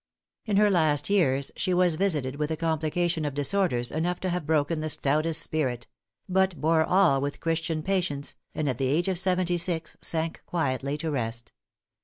In her last years she was visited with a complication of disorders, enough to have broken the stoutest spirit; but bore all with Christian patience, and at the age of seventy six sank quietly to rest.